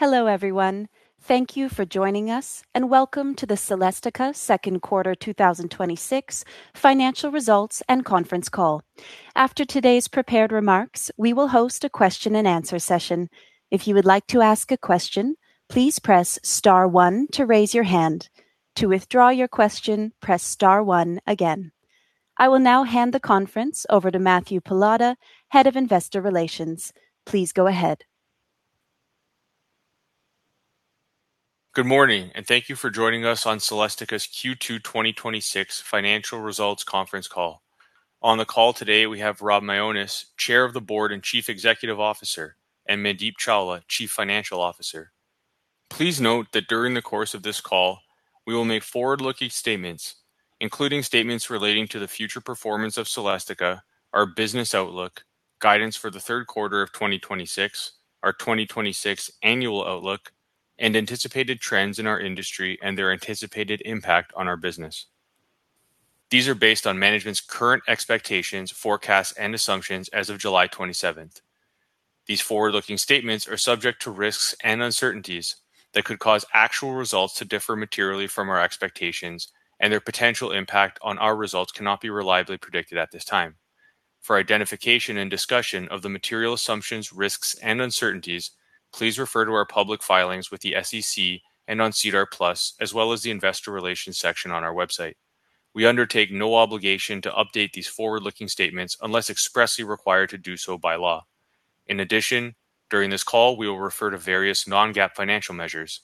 Hello, everyone. Thank you for joining us, and welcome to the Celestica Second Quarter 2026 Financial Results and Conference Call. After today's prepared remarks, we will host a question-and-answer session. If you would like to ask a question, please press star one to raise your hand. To withdraw your question, press star one again. I will now hand the conference over to Matthew Pallotta, Head of Investor Relations. Please go ahead. Good morning. Thank you for joining us on Celestica's Q2 2026 financial results conference call. On the call today, we have Rob Mionis, Chair of the Board and Chief Executive Officer, and Mandeep Chawla, Chief Financial Officer. Please note that during the course of this call, we will make forward-looking statements, including statements relating to the future performance of Celestica, our business outlook, guidance for the third quarter of 2026, our 2026 annual outlook, and anticipated trends in our industry and their anticipated impact on our business. These are based on management's current expectations, forecasts, and assumptions as of July 27th. These forward-looking statements are subject to risks and uncertainties that could cause actual results to differ materially from our expectations, and their potential impact on our results cannot be reliably predicted at this time. For identification and discussion of the material assumptions, risks, and uncertainties, please refer to our public filings with the SEC and on SEDAR+, as well as the Investor Relations section on our website. We undertake no obligation to update these forward-looking statements unless expressly required to do so by law. In addition, during this call, we will refer to various non-GAAP financial measures.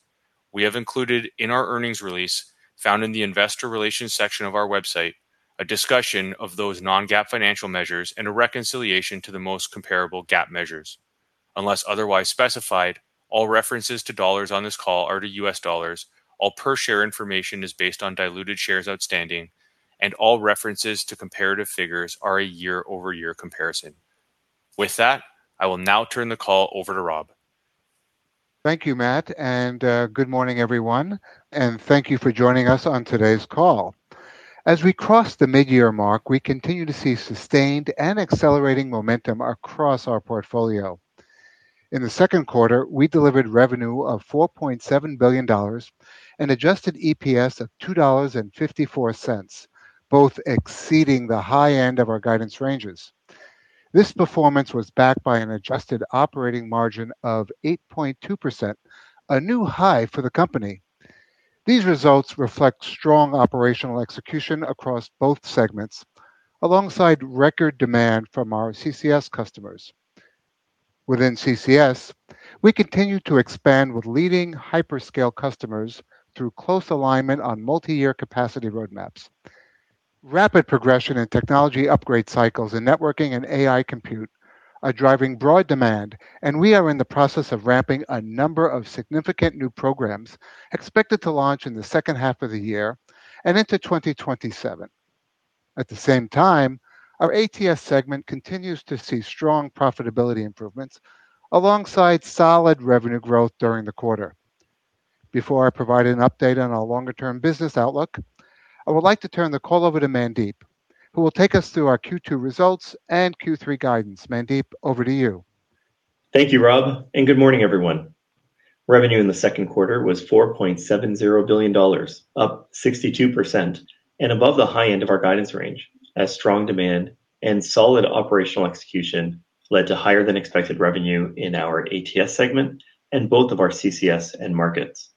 We have included in our earnings release, found in the Investor Relations section of our website, a discussion of those non-GAAP financial measures and a reconciliation to the most comparable GAAP measures. Unless otherwise specified, all references to dollars on this call are to U.S. dollars, all per share information is based on diluted shares outstanding, and all references to comparative figures are a year-over-year comparison. With that, I will now turn the call over to Rob. Thank you, Matt. Good morning, everyone. Thank you for joining us on today's call. As we cross the mid-year mark, we continue to see sustained and accelerating momentum across our portfolio. In the second quarter, we delivered revenue of $4.7 billion and adjusted EPS of $2.54, both exceeding the high end of our guidance ranges. This performance was backed by an adjusted operating margin of 8.2%, a new high for the company. These results reflect strong operational execution across both segments, alongside record demand from our CCS customers. Within CCS, we continue to expand with leading hyperscale customers through close alignment on multi-year capacity roadmaps. Rapid progression and technology upgrade cycles in networking and AI compute are driving broad demand, and we are in the process of ramping a number of significant new programs expected to launch in the second half of the year and into 2027. At the same time, our ATS segment continues to see strong profitability improvements alongside solid revenue growth during the quarter. Before I provide an update on our longer-term business outlook, I would like to turn the call over to Mandeep, who will take us through our Q2 results and Q3 guidance. Mandeep, over to you. Thank you, Rob, good morning, everyone. Revenue in the second quarter was $4.70 billion, up 62% and above the high end of our guidance range as strong demand and solid operational execution led to higher than expected revenue in our ATS segment and both of our CCS end markets.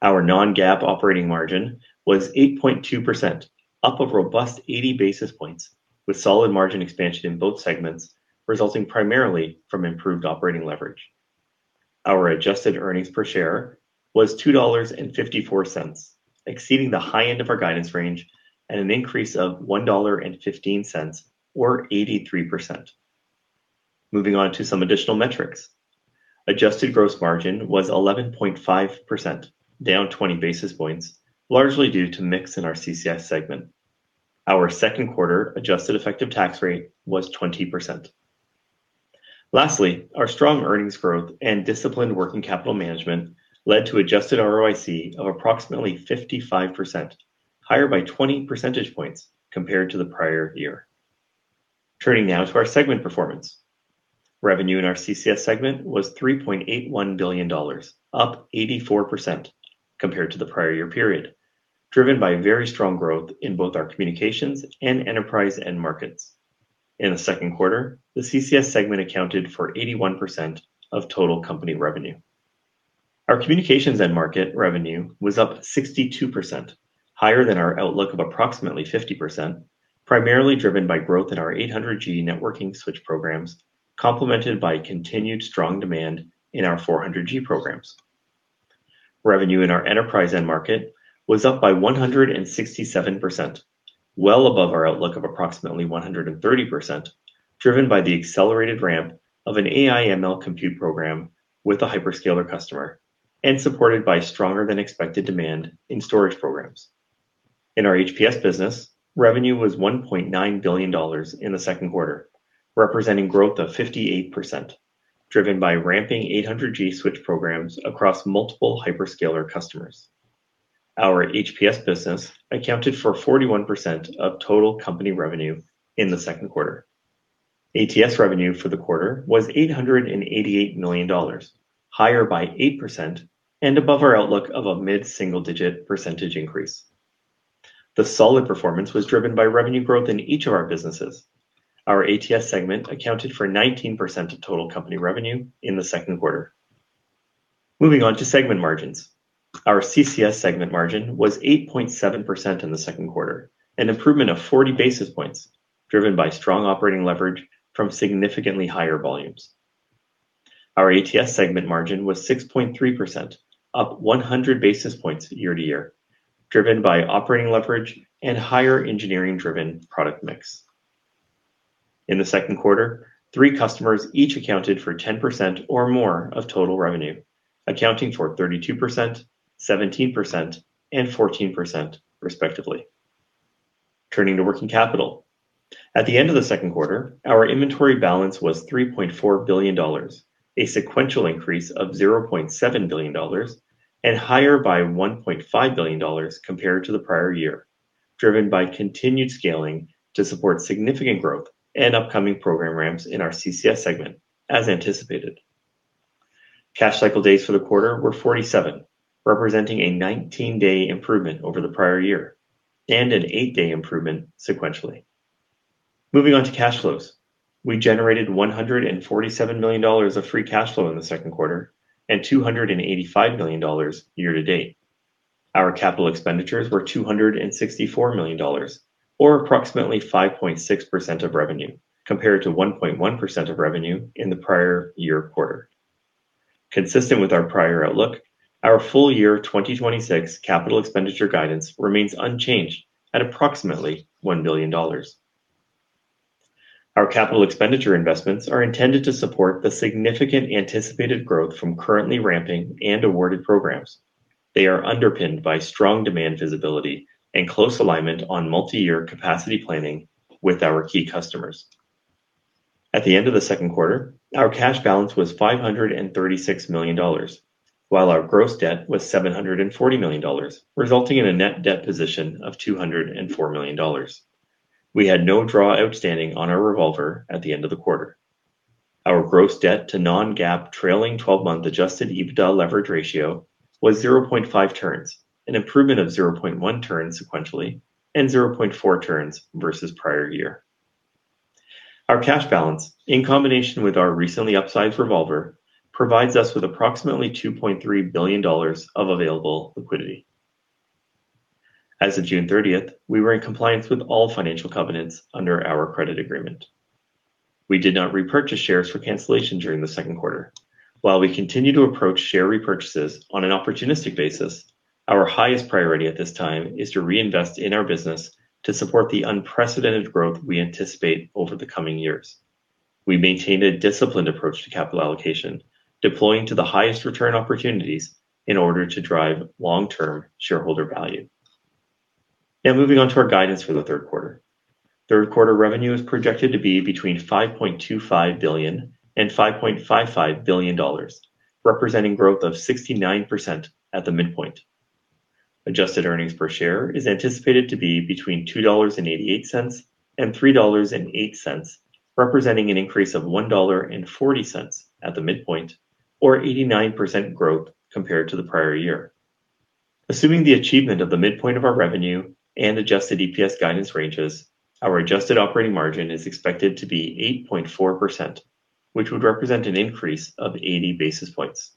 Our non-GAAP operating margin was 8.2%, up a robust 80 basis points with solid margin expansion in both segments, resulting primarily from improved operating leverage. Our adjusted earnings per share was $2.54, exceeding the high end of our guidance range at an increase of $1.15 or 83%. Moving on to some additional metrics. Adjusted gross margin was 11.5%, down 20 basis points, largely due to mix in our CCS segment. Our second quarter adjusted effective tax rate was 20%. Lastly, our strong earnings growth and disciplined working capital management led to adjusted ROIC of approximately 55%, higher by 20 percentage points compared to the prior year. Turning now to our segment performance. Revenue in our CCS segment was $3.81 billion, up 84% compared to the prior year period, driven by very strong growth in both our communications and enterprise end markets. In the second quarter, the CCS segment accounted for 81% of total company revenue. Our communications end market revenue was up 62%, higher than our outlook of approximately 50%, primarily driven by growth in our 800G networking switch programs, complemented by continued strong demand in our 400G programs. Revenue in our enterprise end market was up by 167%, well above our outlook of approximately 130%, driven by the accelerated ramp of an AI ML compute program with a hyperscaler customer and supported by stronger than expected demand in storage programs. In our HPS business, revenue was $1.9 billion in the second quarter, representing growth of 58%, driven by ramping 800G switch programs across multiple hyperscaler customers. Our HPS business accounted for 41% of total company revenue in the second quarter. ATS revenue for the quarter was $888 million, higher by 8% and above our outlook of a mid-single-digit percentage increase. The solid performance was driven by revenue growth in each of our businesses. Our ATS segment accounted for 19% of total company revenue in the second quarter. Moving on to segment margins. Our CCS segment margin was 8.7% in the second quarter, an improvement of 40 basis points, driven by strong operating leverage from significantly higher volumes. Our ATS segment margin was 6.3%, up 100 basis points year-to-year, driven by operating leverage and higher engineering-driven product mix. In the second quarter, three customers each accounted for 10% or more of total revenue, accounting for 32%, 17%, and 14% respectively. Turning to working capital. At the end of the second quarter, our inventory balance was $3.4 billion, a sequential increase of $0.7 billion, and higher by $1.5 billion compared to the prior year, driven by continued scaling to support significant growth and upcoming program ramps in our CCS segment, as anticipated. Cash cycle days for the quarter were 47, representing a 19-day improvement over the prior year, and an eight-day improvement sequentially. Moving on to cash flows. We generated $147 million of free cash flow in the second quarter and $285 million year-to-date. Our capital expenditures were $264 million, or approximately 5.6% of revenue, compared to 1.1% of revenue in the prior year quarter. Consistent with our prior outlook, our full year 2026 capital expenditure guidance remains unchanged at approximately $1 billion. Our capital expenditure investments are intended to support the significant anticipated growth from currently ramping and awarded programs. They are underpinned by strong demand visibility and close alignment on multi-year capacity planning with our key customers. At the end of the second quarter, our cash balance was $536 million, while our gross debt was $740 million, resulting in a net debt position of $204 million. We had no draw outstanding on our revolver at the end of the quarter. Our gross debt to non-GAAP trailing 12-month adjusted EBITDA leverage ratio was 0.5 turns, an improvement of 0.1 turns sequentially and 0.4 turns versus prior year. Our cash balance, in combination with our recently upsized revolver, provides us with approximately $2.3 billion of available liquidity. As of June 30th, we were in compliance with all financial covenants under our credit agreement. We did not repurchase shares for cancellation during the second quarter. While we continue to approach share repurchases on an opportunistic basis, our highest priority at this time is to reinvest in our business to support the unprecedented growth we anticipate over the coming years. We maintained a disciplined approach to capital allocation, deploying to the highest return opportunities in order to drive long-term shareholder value. Moving on to our guidance for the third quarter. Third quarter revenue is projected to be between $5.25 billion and $5.55 billion, representing growth of 69% at the midpoint. Adjusted earnings per share is anticipated to be between $2.88-$3.08, representing an increase of $1.40 at the midpoint or 89% growth compared to the prior year. Assuming the achievement of the midpoint of our revenue and adjusted EPS guidance ranges, our adjusted operating margin is expected to be 8.4%, which would represent an increase of 80 basis points.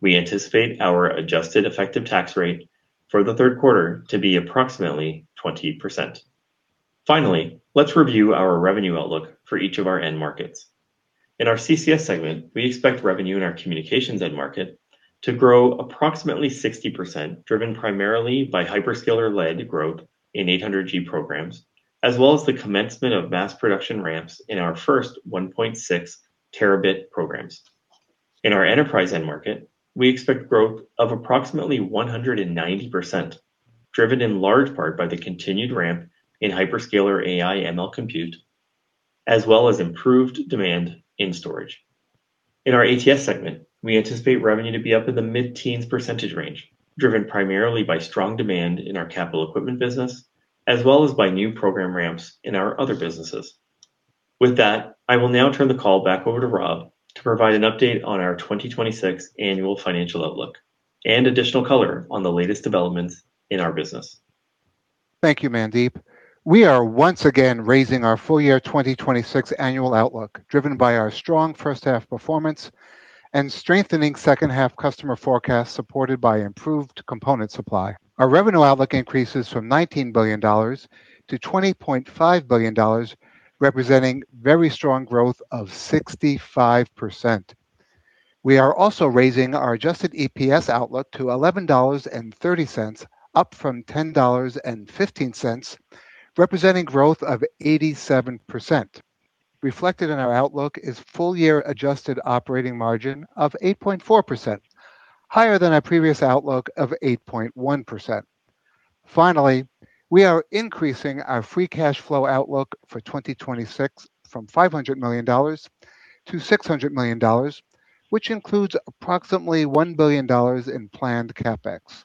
We anticipate our adjusted effective tax rate for the third quarter to be approximately 20%. Let's review our revenue outlook for each of our end markets. In our CCS segment, we expect revenue in our communications end market to grow approximately 60%, driven primarily by hyperscaler-led growth in 800G programs, as well as the commencement of mass production ramps in our first 1.6 Terabit programs. In our enterprise end market, we expect growth of approximately 190%, driven in large part by the continued ramp in hyperscaler AI/ML compute, as well as improved demand in storage. In our ATS segment, we anticipate revenue to be up in the mid-teens percentage range, driven primarily by strong demand in our capital equipment business, as well as by new program ramps in our other businesses. With that, I will now turn the call back over to Rob to provide an update on our 2026 annual financial outlook and additional color on the latest developments in our business. Thank you, Mandeep. We are once again raising our full year 2026 annual outlook, driven by our strong first-half performance and strengthening second-half customer forecast supported by improved component supply. Our revenue outlook increases from $19 billion-$20.5 billion, representing very strong growth of 65%. We are also raising our adjusted EPS outlook to $11.30, up from $10.15, representing growth of 87%. Reflected in our outlook is full year adjusted operating margin of 8.4%, higher than our previous outlook of 8.1%. Finally, we are increasing our free cash flow outlook for 2026 from $500 million-$600 million, which includes approximately $1 billion in planned CapEx.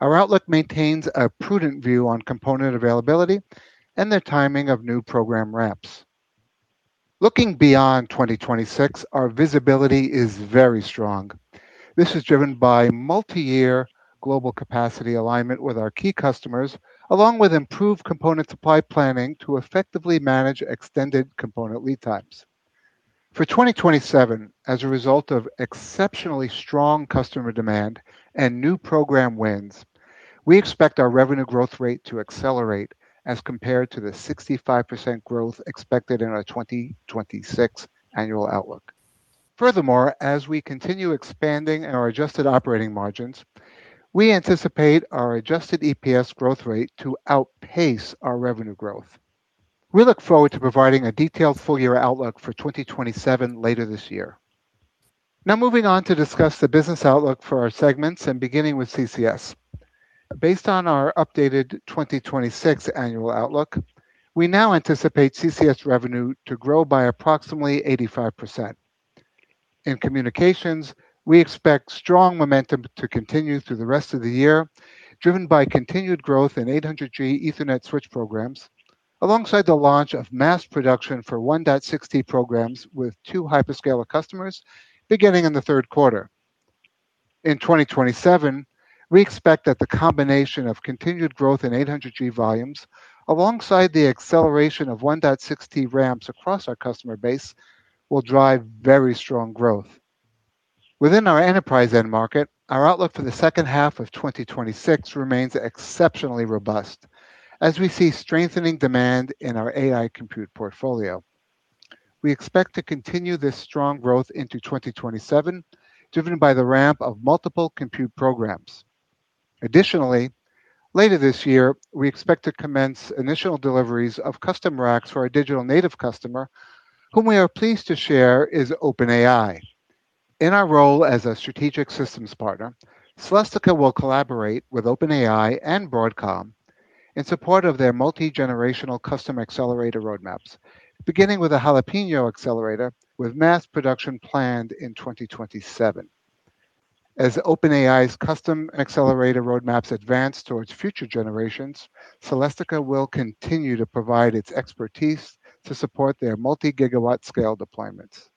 Our outlook maintains a prudent view on component availability and the timing of new program ramps. Looking beyond 2026, our visibility is very strong. This is driven by multi-year global capacity alignment with our key customers, along with improved component supply planning to effectively manage extended component lead times. For 2027, as a result of exceptionally strong customer demand and new program wins, we expect our revenue growth rate to accelerate as compared to the 65% growth expected in our 2026 annual outlook. As we continue expanding our adjusted operating margins, we anticipate our adjusted EPS growth rate to outpace our revenue growth. We look forward to providing a detailed full-year outlook for 2027 later this year. Moving on to discuss the business outlook for our segments and beginning with CCS. Based on our updated 2026 annual outlook, we now anticipate CCS revenue to grow by approximately 85%. In Communications, we expect strong momentum to continue through the rest of the year, driven by continued growth in 800G Ethernet switch programs, alongside the launch of mass production for 1.6T programs with two hyperscaler customers beginning in the third quarter. In 2027, we expect that the combination of continued growth in 800G volumes alongside the acceleration of 1.6T ramps across our customer base will drive very strong growth. Within our Enterprise end market, our outlook for the second half of 2026 remains exceptionally robust as we see strengthening demand in our AI Compute portfolio. We expect to continue this strong growth into 2027, driven by the ramp of multiple compute programs. Later this year, we expect to commence initial deliveries of custom racks for our digital native customer, whom we are pleased to share is OpenAI. In our role as a strategic systems partner, Celestica will collaborate with OpenAI and Broadcom in support of their multi-generational custom accelerator roadmaps, beginning with a Jalapeno accelerator with mass production planned in 2027. As OpenAI's custom accelerator roadmaps advance towards future generations, Celestica will continue to provide its expertise to support their multi-gigawatt scale deployments.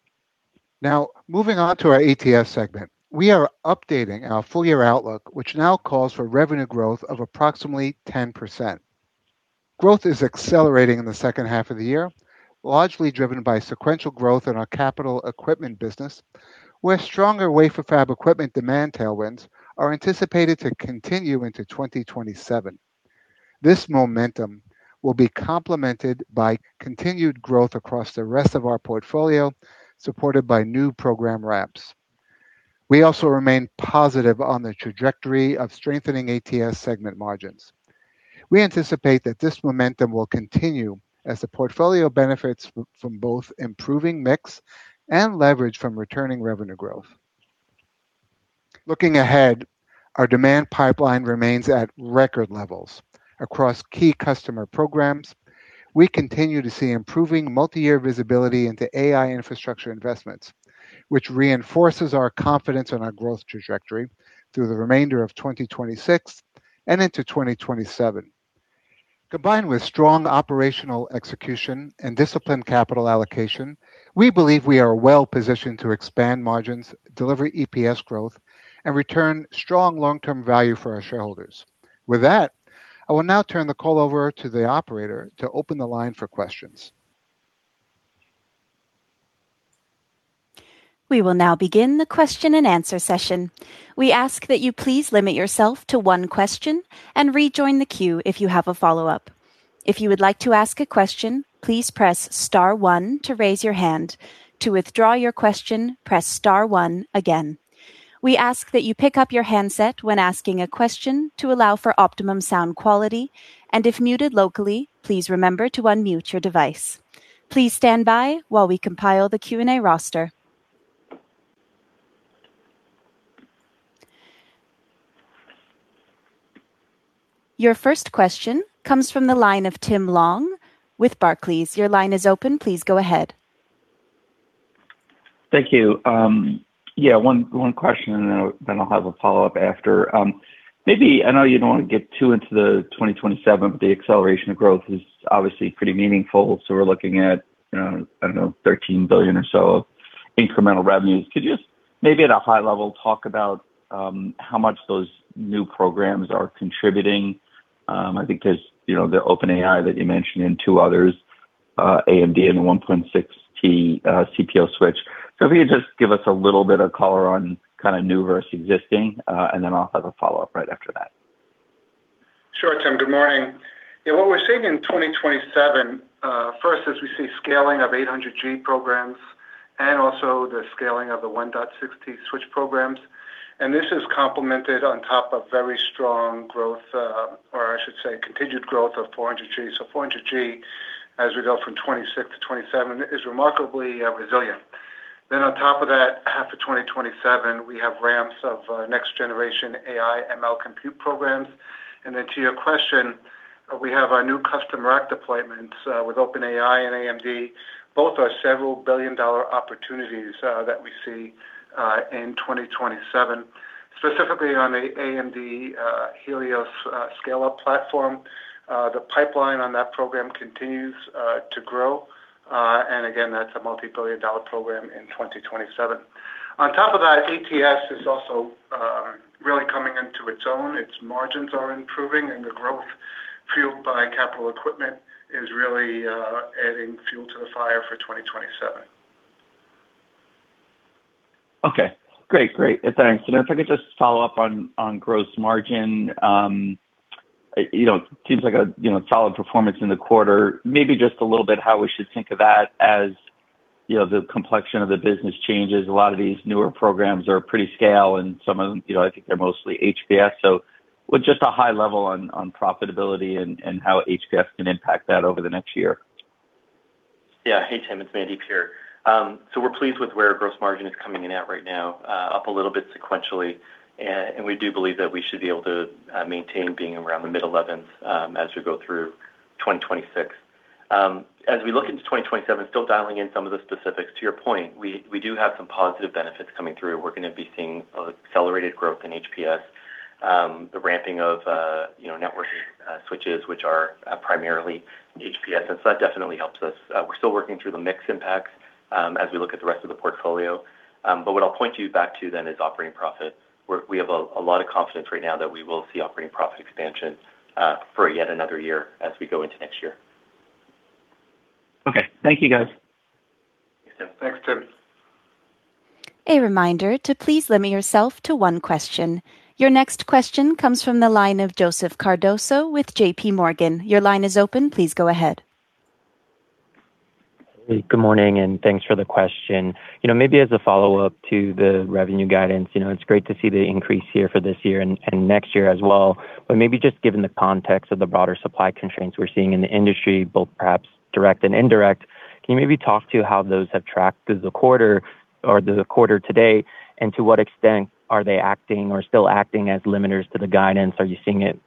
Moving on to our ATS segment. We are updating our full-year outlook, which now calls for revenue growth of approximately 10%. Growth is accelerating in the second half of the year, largely driven by sequential growth in our capital equipment business, where stronger wafer fab equipment demand tailwinds are anticipated to continue into 2027. This momentum will be complemented by continued growth across the rest of our portfolio, supported by new program ramps. We also remain positive on the trajectory of strengthening ATS segment margins. We anticipate that this momentum will continue as the portfolio benefits from both improving mix and leverage from returning revenue growth. Looking ahead, our demand pipeline remains at record levels across key customer programs. We continue to see improving multi-year visibility into AI infrastructure investments, which reinforces our confidence in our growth trajectory through the remainder of 2026 and into 2027. Combined with strong operational execution and disciplined capital allocation, we believe we are well-positioned to expand margins, deliver EPS growth, and return strong long-term value for our shareholders. With that, I will now turn the call over to the operator to open the line for questions. We will now begin the question-and-answer session. We ask that you please limit yourself to one question and rejoin the queue if you have a follow-up. If you would like to ask a question, please press star one to raise your hand. To withdraw your question, press star one again. We ask that you pick up your handset when asking a question to allow for optimum sound quality, and if muted locally, please remember to unmute your device. Please stand by while we compile the Q&A roster. Your first question comes from the line of Tim Long with Barclays. Your line is open. Please go ahead. Thank you. Yeah. One question, and then I'll have a follow-up after. I know you don't want to get too into the 2027, but the acceleration of growth is obviously pretty meaningful. We're looking at, I don't know, $13 billion or so of incremental revenues. Could you maybe at a high level, talk about how much those new programs are contributing? I think there's the OpenAI that you mentioned and two others, AMD and the 1.6T CPO switch. If you could just give us a little bit of color on new versus existing, and then I'll have a follow-up right after that. Sure, Tim. Good morning. Yeah, what we're seeing in 2027, first is we see scaling of 800G programs and also the scaling of the 1.6T switch programs. This is complemented on top of very strong growth, or I should say, continued growth of 400G. 400G, as we go from 2026 to 2027, is remarkably resilient On top of that, half of 2027, we have ramps of next generation AI ML compute programs. To your question, we have our new customer rack deployments with OpenAI and AMD. Both are several billion-dollar opportunities that we see in 2027, specifically on the AMD Helios scale-up platform. The pipeline on that program continues to grow. Again, that's a multi-billion dollar program in 2027. On top of that, ATS is also really coming into its own. Its margins are improving and the growth fueled by capital equipment is really adding fuel to the fire for 2027. Okay. Great. Thanks. If I could just follow up on gross margin. It seems like a solid performance in the quarter. Maybe just a little bit how we should think of that as the complexion of the business changes. A lot of these newer programs are pretty scale and some of them, I think they're mostly HPS. Just a high level on profitability and how HPS can impact that over the next year. Yeah. Hey, Tim, it's Mandeep here. We're pleased with where gross margin is coming in at right now, up a little bit sequentially, and we do believe that we should be able to maintain being around the mid 11s as we go through 2026. As we look into 2027, still dialing in some of the specifics, to your point, we do have some positive benefits coming through. We're going to be seeing accelerated growth in HPS, the ramping of network switches, which are primarily in HPS, and so that definitely helps us. We're still working through the mix impacts as we look at the rest of the portfolio. What I'll point you back to then is operating profit, where we have a lot of confidence right now that we will see operating profit expansion for yet another year as we go into next year. Okay. Thank you, guys. Thanks, Tim. A reminder to please limit yourself to one question. Your next question comes from the line of Joseph Cardoso with JPMorgan. Your line is open. Please go ahead. Good morning. Thanks for the question. Maybe as a follow-up to the revenue guidance, it's great to see the increase here for this year and next year as well. Maybe just given the context of the broader supply constraints we're seeing in the industry, both perhaps direct and indirect, can you maybe talk to how those have tracked through the quarter or through the quarter to date, and to what extent are they acting or still acting as limiters to the guidance? Are you seeing it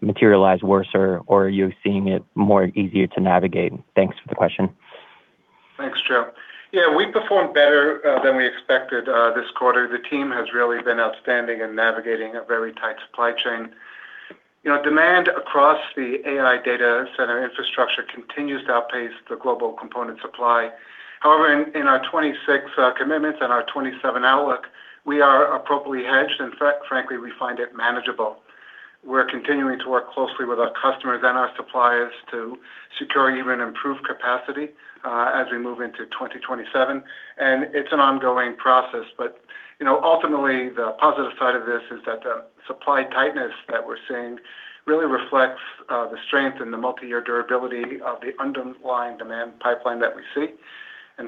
materialize worse or are you seeing it more easier to navigate? Thanks for the question. Thanks, Joe. Yeah, we performed better than we expected this quarter. The team has really been outstanding in navigating a very tight supply chain. Demand across the AI data center infrastructure continues to outpace the global component supply. However, in our 2026 commitments and our 2027 outlook, we are appropriately hedged, and frankly, we find it manageable. We're continuing to work closely with our customers and our suppliers to secure even improved capacity as we move into 2027, and it's an ongoing process. Ultimately, the positive side of this is that the supply tightness that we're seeing really reflects the strength and the multi-year durability of the underlying demand pipeline that we see.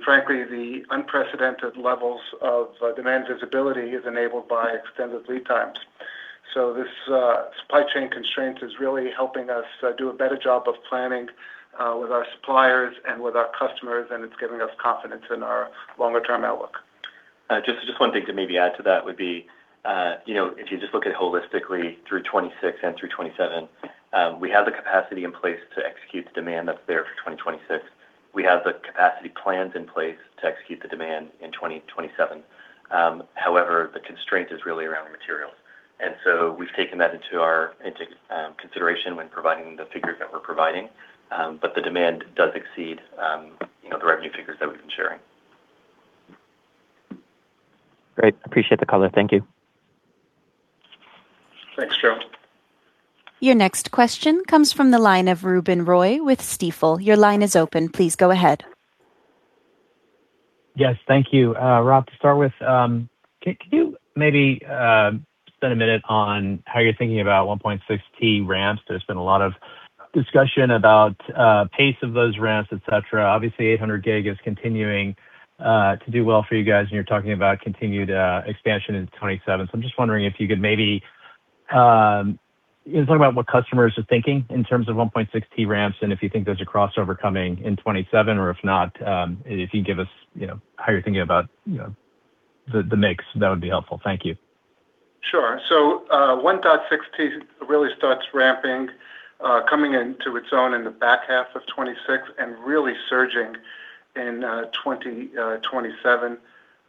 Frankly, the unprecedented levels of demand visibility is enabled by extended lead times. This supply chain constraint is really helping us do a better job of planning with our suppliers and with our customers, and it's giving us confidence in our longer-term outlook. Just one thing to maybe add to that would be, if you just look at it holistically through 2026 and through 2027, we have the capacity in place to execute the demand that's there for 2026. We have the capacity plans in place to execute the demand in 2027. However, the constraint is really around material. So we've taken that into consideration when providing the figures that we're providing, the demand does exceed the revenue figures that we've been sharing. Great. Appreciate the color. Thank you. Thanks, Joe. Your next question comes from the line of Ruben Roy with Stifel. Your line is open. Please go ahead. Yes, thank you. Rob, to start with, can you maybe spend a minute on how you're thinking about 1.6T ramps? There's been a lot of discussion about pace of those ramps, et cetera. Obviously 800G is continuing to do well for you guys, and you're talking about continued expansion into 2027. I'm just wondering if you could maybe talk about what customers are thinking in terms of 1.6T ramps and if you think there's a crossover coming in 2027, or if not, if you give us how you're thinking about the mix, that would be helpful. Thank you. Sure. 1.6T really starts ramping, coming into its own in the back half of 2026 and really surging in 2027.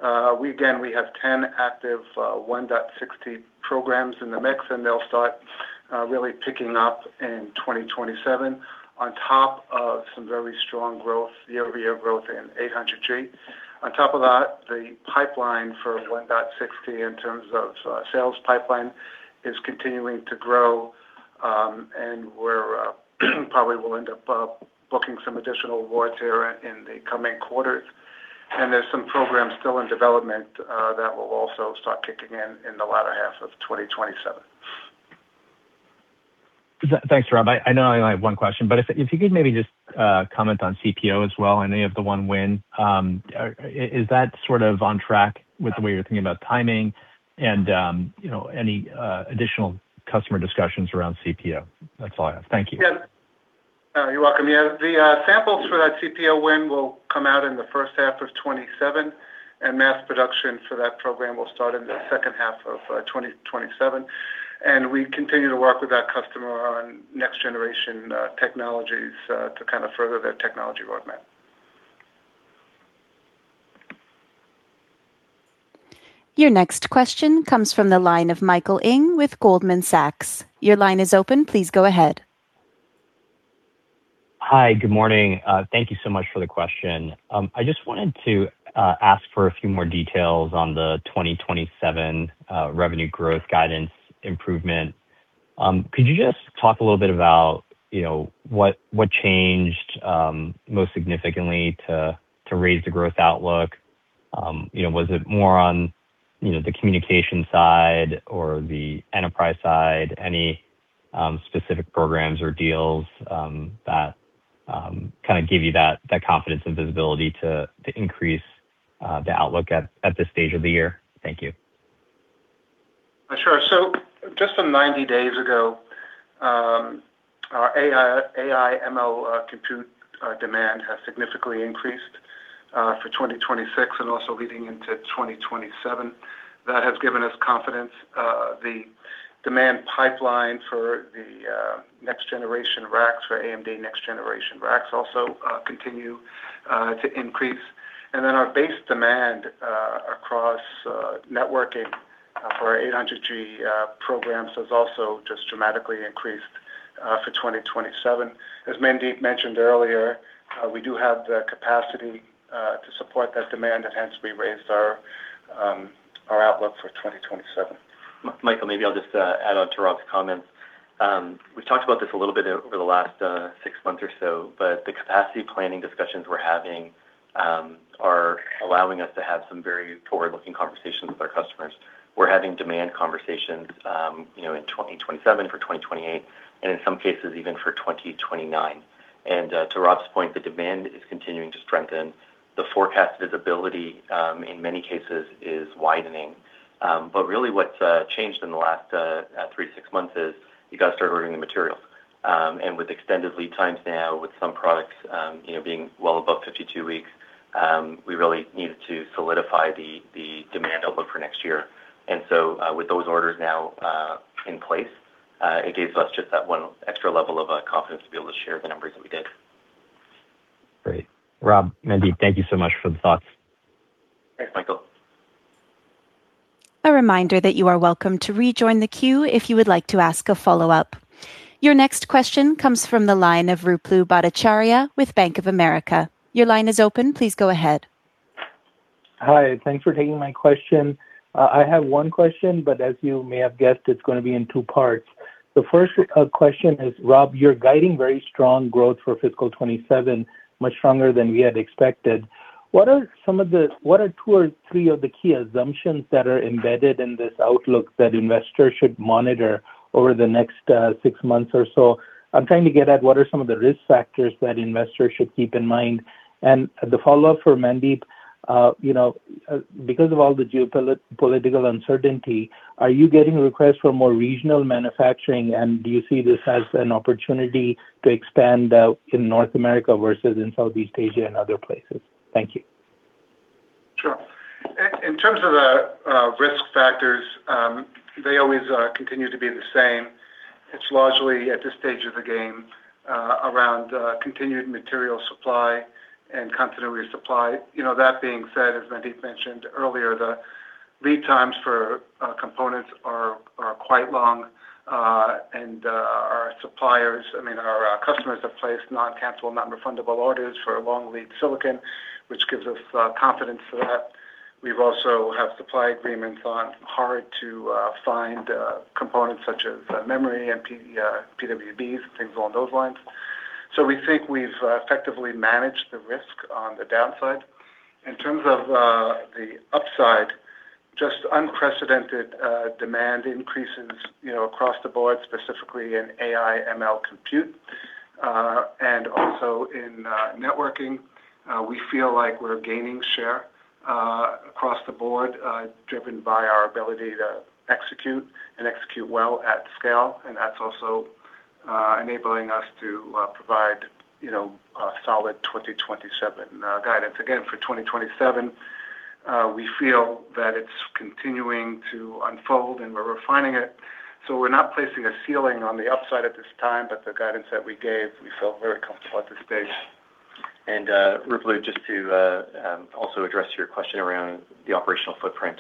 Again, we have 10 active 1.6T programs in the mix, and they'll start really picking up in 2027 on top of some very strong growth, year-over-year growth in 800G. On top of that, the pipeline for 1.6T in terms of sales pipeline is continuing to grow, and we probably will end up booking some additional awards here in the coming quarters. There's some programs still in development that will also start kicking in in the latter half of 2027. Thanks, Rob. I know I only have one question, but if you could maybe just comment on CPO as well, any of the one win. Is that sort of on track with the way you're thinking about timing and any additional customer discussions around CPO? That's all I have. Thank you. You're welcome. Yeah. The samples for that CPO win will come out in the first half of 2027, and mass production for that program will start in the second half of 2027. We continue to work with that customer on next-generation technologies to kind of further their technology roadmap. Your next question comes from the line of Michael Ng with Goldman Sachs. Your line is open. Please go ahead. Hi. Good morning. Thank you so much for the question. I just wanted to ask for a few more details on the 2027 revenue growth guidance improvement. Could you just talk a little bit about what changed most significantly to raise the growth outlook? Was it more on the communication side or the enterprise side? Any specific programs or deals that give you that confidence and visibility to increase the outlook at this stage of the year? Thank you. Sure. Just some 90 days ago, our AI/ML compute demand has significantly increased for 2026 and also leading into 2027. That has given us confidence. The demand pipeline for the next generation racks, for AMD next generation racks also continue to increase. Our base demand across networking for our 800G programs has also just dramatically increased for 2027. As Mandeep mentioned earlier, we do have the capacity to support that demand, hence we raised our outlook for 2027. Michael, maybe I'll just add on to Rob's comments. We've talked about this a little bit over the last six months or so, the capacity planning discussions we're having are allowing us to have some very forward-looking conversations with our customers. We're having demand conversations in 2027, for 2028, and in some cases even for 2029. To Rob's point, the demand is continuing to strengthen. The forecast visibility, in many cases, is widening. Really what's changed in the last three to six months is you got to start ordering the materials. With extended lead times now with some products being well above 52 weeks, we really needed to solidify the demand outlook for next year. With those orders now in place, it gives us just that one extra level of confidence to be able to share the numbers that we did. Great. Rob, Mandeep, thank you so much for the thoughts. Thanks, Michael. A reminder that you are welcome to rejoin the queue if you would like to ask a follow-up. Your next question comes from the line of Ruplu Bhattacharya with Bank of America. Your line is open. Please go ahead. Hi. Thanks for taking my question. I have one question, but as you may have guessed, it's going to be in two parts. The first question is, Rob, you're guiding very strong growth for fiscal 2027, much stronger than we had expected. What are two or three of the key assumptions that are embedded in this outlook that investors should monitor over the next six months or so? I'm trying to get at what are some of the risk factors that investors should keep in mind. The follow-up for Mandeep, because of all the geopolitical uncertainty, are you getting requests for more regional manufacturing and do you see this as an opportunity to expand out in North America versus in Southeast Asia and other places? Thank you. Sure. In terms of the risk factors, they always continue to be the same. It's largely at this stage of the game around continued material supply and continuity of supply. That being said, as Mandeep mentioned earlier, the lead times for components are quite long. Our suppliers, I mean, our customers have placed non-cancellable, non-refundable orders for long-lead silicon, which gives us confidence for that. We've also have supply agreements on hard-to-find components such as memory and PWBs, things along those lines. We think we've effectively managed the risk on the downside. In terms of the upside, just unprecedented demand increases across the board, specifically in AI/ML compute, and also in networking. We feel like we're gaining share across the board, driven by our ability to execute and execute well at scale. That's also enabling us to provide a solid 2027 guidance. Again, for 2027, we feel that it's continuing to unfold and we're refining it. We're not placing a ceiling on the upside at this time, the guidance that we gave, we felt very comfortable at this stage. Ruplu, just to also address your question around the operational footprint,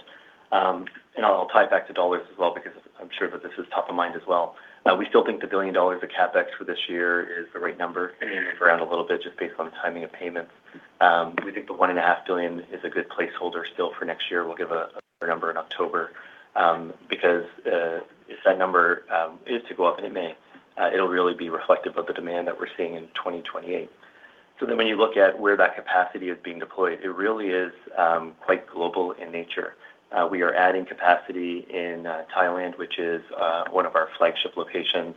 I'll tie it back to dollars as well because I'm sure that this is top of mind as well. We still think the $1 billion of CapEx for this year is the right number. It may move around a little bit just based on timing of payments. We think the $1.5 billion is a good placeholder still for next year. We'll give a number in October, because if that number is to go up in May, it'll really be reflective of the demand that we're seeing in 2028. When you look at where that capacity is being deployed, it really is quite global in nature. We are adding capacity in Thailand, which is one of our flagship locations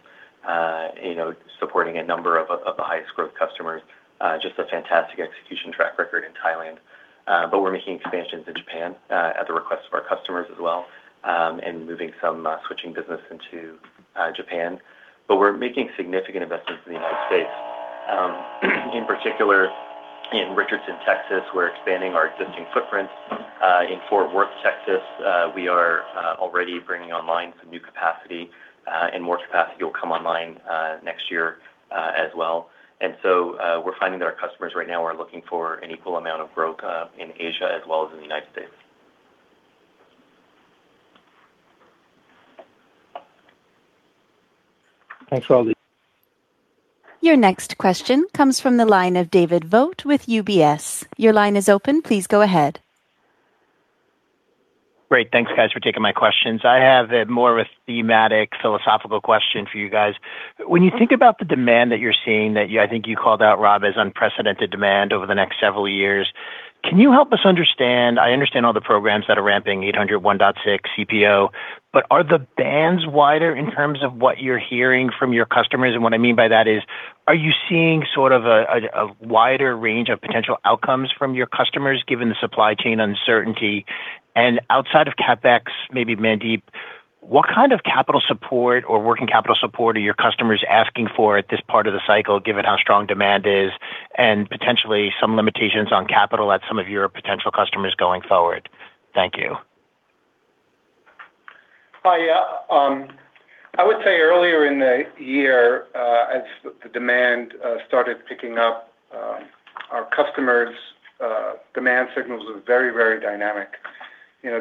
supporting a number of the highest growth customers. Just a fantastic execution track record in Thailand. We're making expansions in Japan at the request of our customers as well, and moving some switching business into Japan. We're making significant investments in the United States. In particular, in Richardson, Texas, we're expanding our existing footprint. In Fort Worth, Texas, we are already bringing online some new capacity, and more capacity will come online next year as well. We're finding that our customers right now are looking for an equal amount of growth in Asia as well as in the United States. Thanks, [Ruplu]. Your next question comes from the line of David Vogt with UBS. Your line is open. Please go ahead. Great. Thanks, guys, for taking my questions. I have more of a thematic, philosophical question for you guys. When you think about the demand that you're seeing that I think you called out, Rob, as unprecedented demand over the next several years, can you help us understand I understand all the programs that are ramping 1.6T CPO, are the bands wider in terms of what you're hearing from your customers? What I mean by that is, are you seeing sort of a wider range of potential outcomes from your customers, given the supply chain uncertainty? Outside of CapEx, maybe Mandeep, what kind of capital support or working capital support are your customers asking for at this part of the cycle, given how strong demand is and potentially some limitations on capital at some of your potential customers going forward? Thank you. Hi. I would say earlier in the year, as the demand started picking up, our customers' demand signals were very dynamic.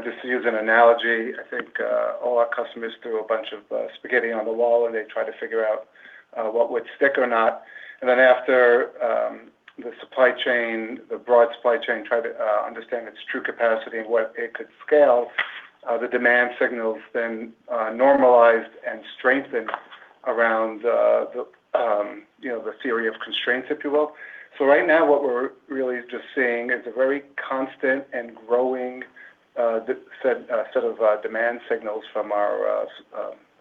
Just to use an analogy, I think all our customers threw a bunch of spaghetti on the wall, and they tried to figure out what would stick or not. After the broad supply chain tried to understand its true capacity and what it could scale, the demand signals then normalized and strengthened around the theory of constraints, if you will. Right now, what we're really just seeing is a very constant and growing set of demand signals from our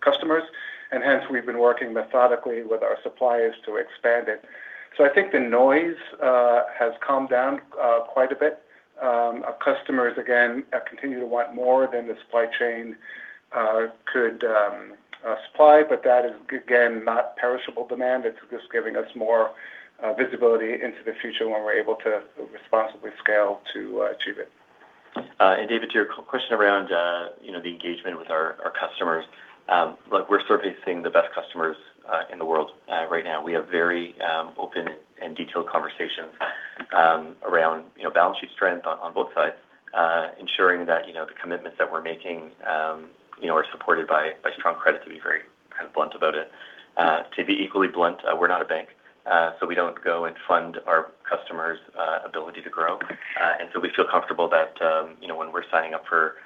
customers, and hence we've been working methodically with our suppliers to expand it. I think the noise has calmed down quite a bit. Our customers, again, continue to want more than the supply chain could supply, that is, again, not perishable demand. It's just giving us more visibility into the future when we're able to responsibly scale to achieve it. David, to your question around the engagement with our customers, look, we're servicing the best customers in the world right now. We have very open and detailed conversations around balance sheet strength on both sides, ensuring that the commitments that we're making are supported by strong credit, to be very kind of blunt about it. To be equally blunt, we're not a bank, so we don't go and fund our customers' ability to grow. We feel comfortable that when we're signing up for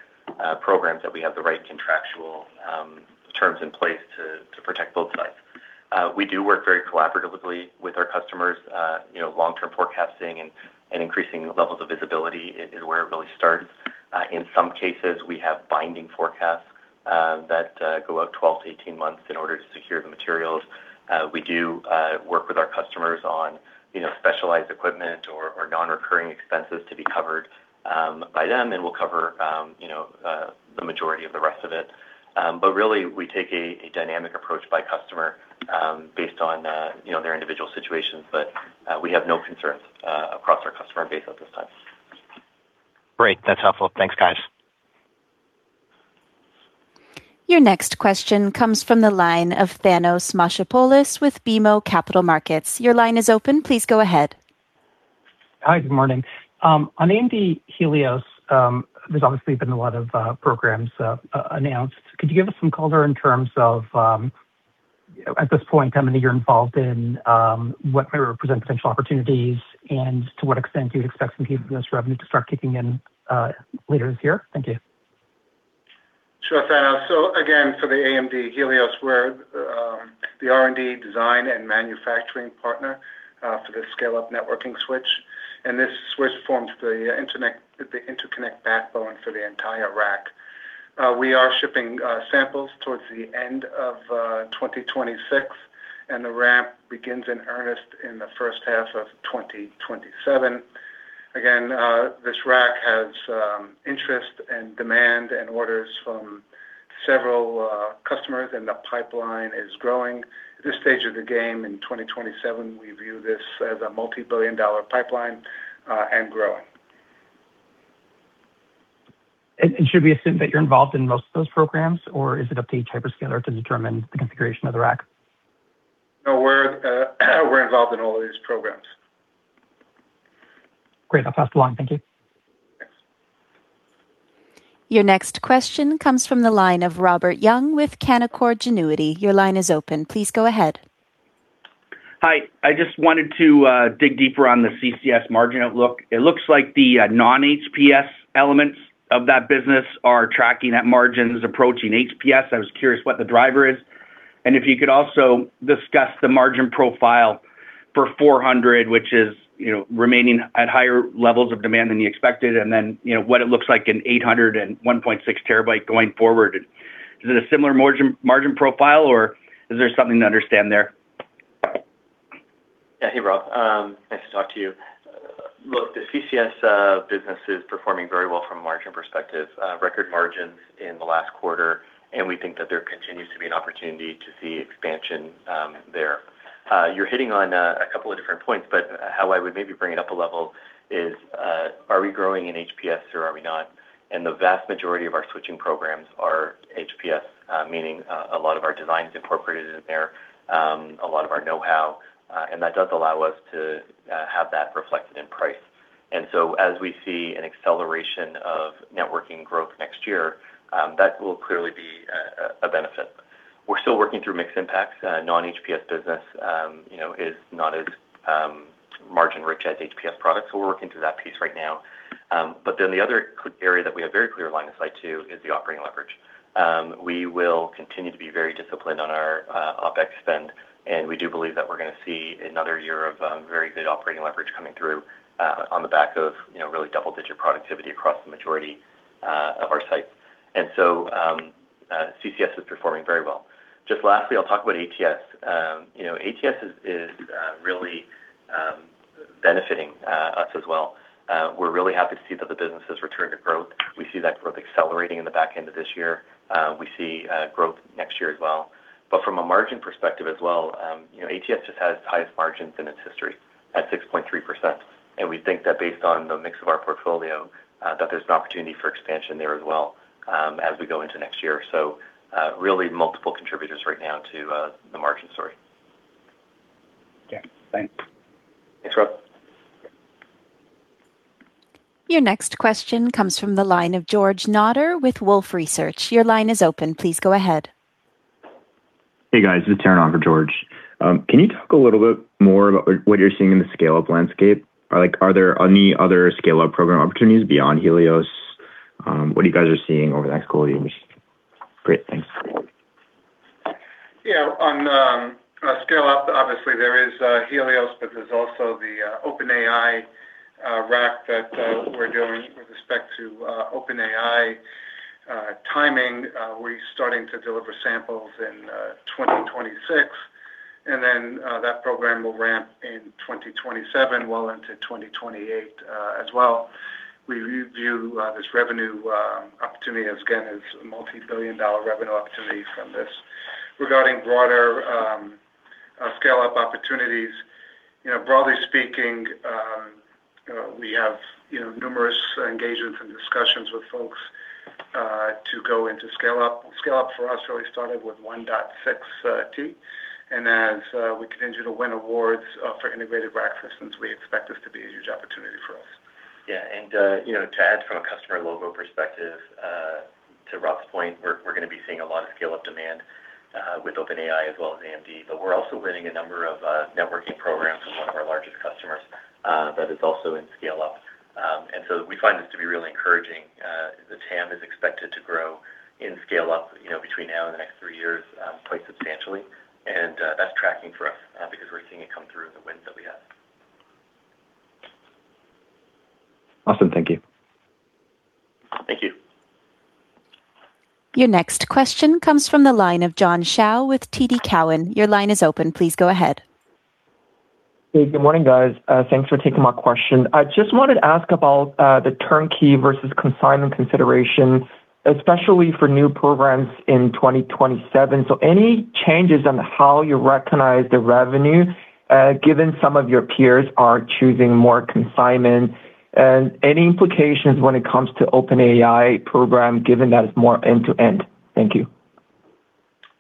programs, that we have the right contractual terms in place to protect both sides. We do work very collaboratively with our customers. Long-term forecasting and increasing levels of visibility is where it really starts. In some cases, we have binding forecasts that go out 12-18 months in order to secure the materials. We do work with our customers on specialized equipment or non-recurring expenses to be covered by them. We'll cover the majority of the rest of it. Really, we take a dynamic approach by customer based on their individual situations. We have no concerns across our customer base at this time. Great. That's helpful. Thanks, guys. Your next question comes from the line of Thanos Moschopoulos with BMO Capital Markets. Your line is open. Please go ahead. Hi, good morning. On AMD Helios, there's obviously been a lot of programs announced. Could you give us some color in terms of, at this point, how many you're involved in, what may represent potential opportunities, and to what extent do you expect some of this revenue to start kicking in later this year? Thank you. Sure, Thanos. Again, for the AMD Helios, we're the R&D design and manufacturing partner for the scale-up networking switch, and this switch forms the interconnect backbone for the entire rack. We are shipping samples towards the end of 2026, and the ramp begins in earnest in the first half of 2027. Again, this rack has interest and demand and orders from several customers, and the pipeline is growing. At this stage of the game in 2027, we view this as a multi-billion dollar pipeline and growing. Should we assume that you're involved in most of those programs, or is it up to each hyperscaler to determine the configuration of the rack? No, we're involved in all of these programs. Great. I'll pass it along. Thank you. Thanks. Your next question comes from the line of Robert Young with Canaccord Genuity. Your line is open. Please go ahead. Hi. I just wanted to dig deeper on the CCS margin outlook. It looks like the non-HPS elements of that business are tracking at margins approaching HPS. I was curious what the driver is. If you could also discuss the margin profile for 400G, which is remaining at higher levels of demand than you expected, what it looks like in 800G and 1.6 Terabit going forward. Is it a similar margin profile, or is there something to understand there? Hey, Rob. Nice to talk to you. Look, the CCS business is performing very well from a margin perspective. Record margins in the last quarter, we think that there continues to be an opportunity to see expansion there. You're hitting on a couple of different points, how I would maybe bring it up a level is, are we growing in HPS or are we not? The vast majority of our switching programs are HPS, meaning a lot of our design is incorporated in there, a lot of our know-how, and that does allow us to have that reflected in price. As we see an acceleration of networking growth next year, that will clearly be a benefit. We're still working through mixed impacts. Non-HPS business is not as margin-rich as HPS products, we're working through that piece right now. The other area that we have very clear line of sight to is the operating leverage. We will continue to be very disciplined on our OpEx spend, we do believe that we're going to see another year of very good operating leverage coming through on the back of really double-digit productivity across the majority of our sites. CCS is performing very well. Just lastly, I'll talk about ATS. ATS is really benefiting us as well. We're really happy to see that the business has returned to growth. We see that growth accelerating in the back end of this year. We see growth next year as well. From a margin perspective as well, ATS just has the highest margins in its history at 6.3%. We think that based on the mix of our portfolio, that there's an opportunity for expansion there as well as we go into next year. Really multiple contributors right now to the margin story. Okay, thanks. Thanks, Rob. Your next question comes from the line of George Notter with Wolfe Research. Your line is open. Please go ahead. Hey, guys. This is [Terron] for George. Can you talk a little bit more about what you're seeing in the scale-up landscape? Are there any other scale-up program opportunities beyond Helios? What you guys are seeing over the next couple of years? Great. Thanks. Yeah. On scale-up, obviously there is Helios, but there's also the OpenAI rack that we're doing with respect to OpenAI timing. We're starting to deliver samples in 2026, then that program will ramp in 2027, well into 2028 as well. We view this revenue opportunity as, again, as a multi-billion dollar revenue opportunity from this. Regarding broader scale-up opportunities, broadly speaking, we have numerous engagements and discussions with folks to go into scale up. Scale up for us really started with 1.6T, as we continue to win awards for integrated rack systems, we expect this to be a huge opportunity for us. Yeah. To add from a customer logo perspective, to Rob's point, we're going to be seeing a lot of scale-up demand with OpenAI as well as AMD, but we're also winning a number of networking programs from one of our largest customers that is also in scale up. We find this to be really encouraging. The TAM is expected to grow in scale up, between now and the next three years, quite substantially. That's tracking for us because we're seeing it come through in the wins that we have. Awesome. Thank you. Thank you. Your next question comes from the line of John Shao with TD Cowen. Your line is open. Please go ahead. Hey, good morning, guys. Thanks for taking my question. I just wanted to ask about the turnkey versus consignment considerations, especially for new programs in 2027. Any changes on how you recognize the revenue, given some of your peers are choosing more consignment? And any implications when it comes to OpenAI program, given that it's more end-to-end? Thank you.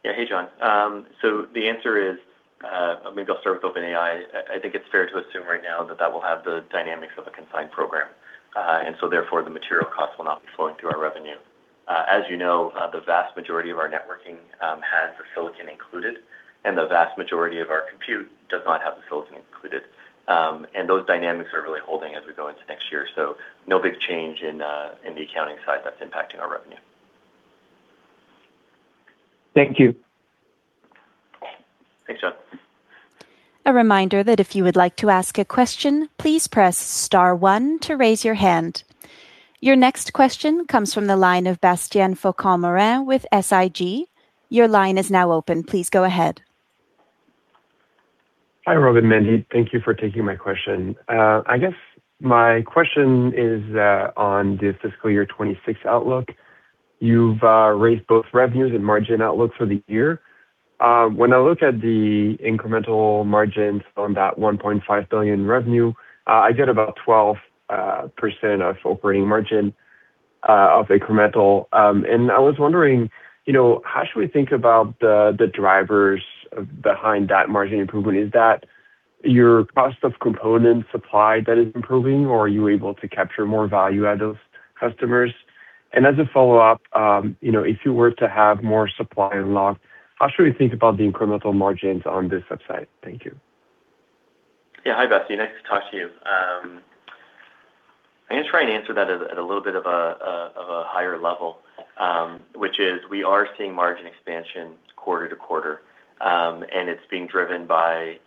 Yeah. Hey, John. The answer is, maybe I'll start with OpenAI. I think it's fair to assume right now that that will have the dynamics of a consigned program. Therefore, the material cost will not be flowing through our revenue. As you know, the vast majority of our networking has the silicon included, and the vast majority of our compute does not have the silicon included. Those dynamics are really holding as we go into next year. No big change in the accounting side that's impacting our revenue. Thank you. Thanks, John. A reminder that if you would like to ask a question, please press star one to raise your hand. Your next question comes from the line of Bastien Faucon-Morin with SIG. Your line is now open. Please go ahead. Hi, Rob and Mandeep. Thank you for taking my question. I guess my question is on the fiscal year 2026 outlook. You've raised both revenues and margin outlook for the year. When I look at the incremental margins on that $1.5 billion revenue, I get about 12% of operating margin of incremental. I was wondering, how should we think about the drivers behind that margin improvement? Is that your cost of component supply that is improving, or are you able to capture more value out of customers? As a follow-up, if you were to have more supply unlocked, how should we think about the incremental margins on this upside? Thank you. Yeah. Hi, Bastien. Nice to talk to you. I am going to try and answer that at a little bit of a higher level, which is we are seeing margin expansion quarter to quarter. It is being driven by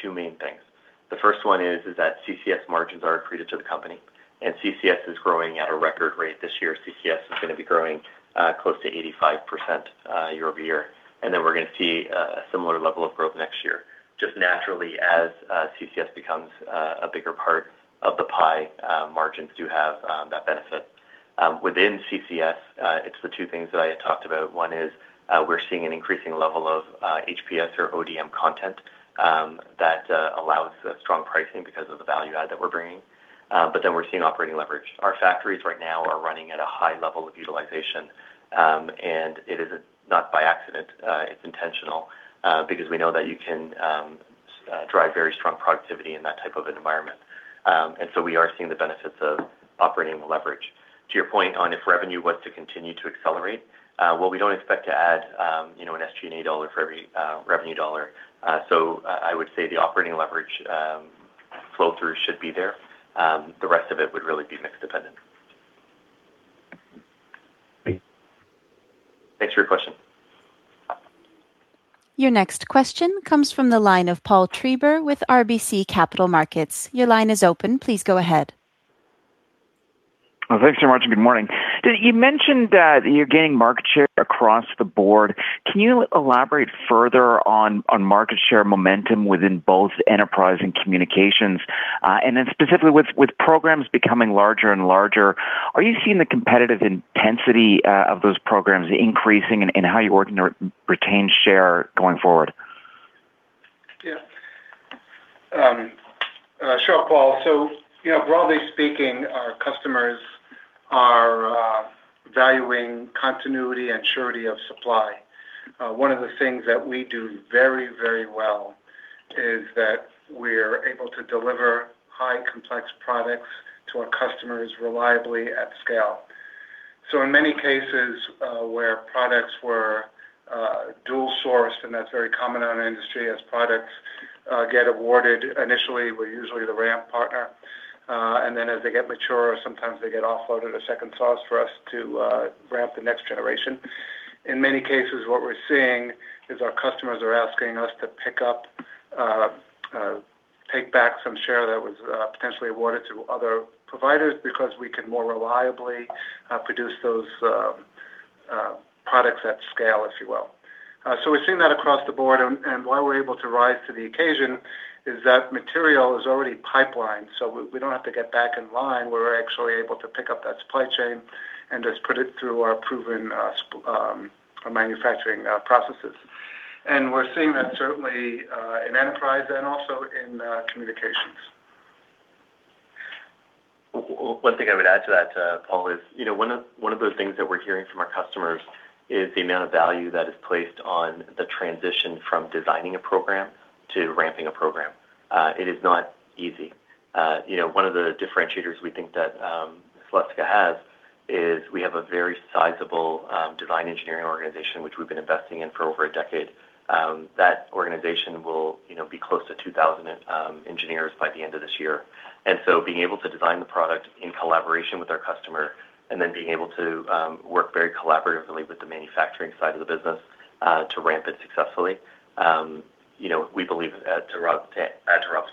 two main things. The first one is that CCS margins are accretive to the company. CCS is growing at a record rate this year. CCS is going to be growing close to 85% year-over-year. We are going to see a similar level of growth next year. Naturally as CCS becomes a bigger part of the pie, margins do have that benefit. Within CCS, it is the two things that I had talked about. One is we are seeing an increasing level of HPS or ODM content that allows strong pricing because of the value add that we are bringing. We are seeing operating leverage. Our factories right now are running at a high level of utilization. It is not by accident. It is intentional, because we know that you can drive very strong productivity in that type of environment. We are seeing the benefits of operating leverage. To your point on if revenue was to continue to accelerate, while we do not expect to add an SG&A dollar for every revenue dollar, I would say the operating leverage flow-through should be there. The rest of it would really be mix dependent. Great. Thanks for your question. Your next question comes from the line of Paul Treiber with RBC Capital Markets. Your line is open. Please go ahead. Thanks so much, and good morning. You mentioned that you're gaining market share across the board. Can you elaborate further on market share momentum within both enterprise and communications? Specifically with programs becoming larger and larger, are you seeing the competitive intensity of those programs increasing in how you retain share going forward? Yeah. Sure, Paul. Broadly speaking, our customers are valuing continuity and surety of supply. One of the things that we do very well is that we're able to deliver high complex products to our customers reliably at scale. In many cases where products were dual-sourced, and that's very common in our industry as products get awarded initially, we're usually the ramp partner. As they get mature, sometimes they get offloaded a second source for us to ramp the next generation. In many cases, what we're seeing is our customers are asking us to pick up, take back some share that was potentially awarded to other providers because we can more reliably produce those products at scale, if you will. We're seeing that across the board, and why we're able to rise to the occasion is that material is already pipelined, so we don't have to get back in line. We're actually able to pick up that supply chain and just put it through our proven manufacturing processes. We're seeing that certainly in Enterprise and also in Communications. One thing I would add to that, Paul, is one of the things that we're hearing from our customers is the amount of value that is placed on the transition from designing a program to ramping a program. It is not easy. One of the differentiators we think that Celestica has is we have a very sizable design engineering organization, which we've been investing in for over a decade. That organization will be close to 2,000 engineers by the end of this year. Being able to design the product in collaboration with our customer and then being able to work very collaboratively with the manufacturing side of the business to ramp it successfully, we believe, to Rob's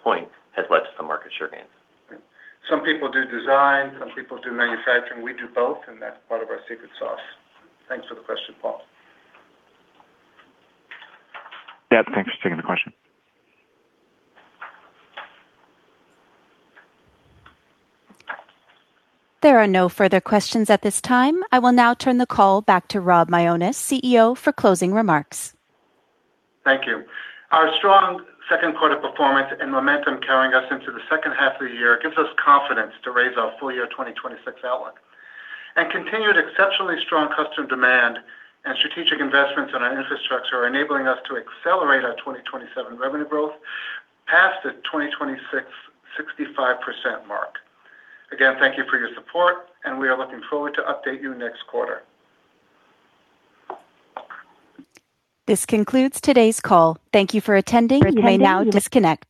point, has led to some market share gains. Some people do design, some people do manufacturing. We do both, and that's part of our secret sauce. Thanks for the question, Paul. Yeah, thanks for taking the question. There are no further questions at this time. I will now turn the call back to Rob Mionis, CEO, for closing remarks. Thank you. Our strong second quarter performance and momentum carrying us into the second half of the year gives us confidence to raise our full year 2026 outlook. Continued exceptionally strong customer demand and strategic investments in our infrastructure are enabling us to accelerate our 2027 revenue growth past the 2026 65% mark. Again, thank you for your support, and we are looking forward to update you next quarter. This concludes today's call. Thank you for attending. You may now disconnect.